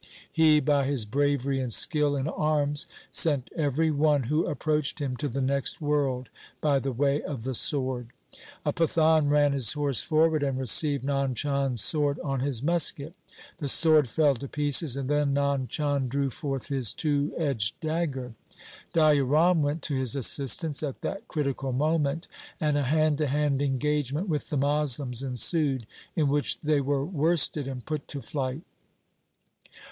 He by his bravery and skill in arms sent every one who approached him to the next world by the way of the sword. A Pathan ran his horse forward and received Nand Chand's sword on his musket. The sword fell to pieces and then Nand Chand drew forth his two edged dagger. Daya Ram went to his assist ance at that critical moment, and a hand to hand engagement with the Moslems ensued, in which they were worsted and put to flight.